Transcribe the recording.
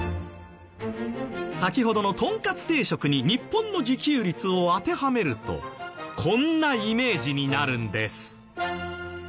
先ほどのとんかつ定食に日本の自給率を当てはめるとこんなイメージになるんです。